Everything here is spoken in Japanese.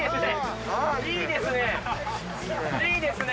いいですね。